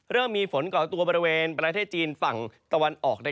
เริ่มมีฝนก่อตัวบริเวณประเทศจีนฝั่งตะวันออก